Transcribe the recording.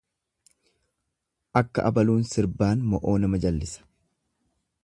Akka abaluun sirbaan mo'oo nama jallisa.